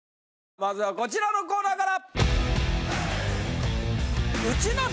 まずはこちらのコーナーから。